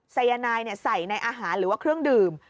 สายนายใส่ในอาหารหรือว่าเครื่องดื่ม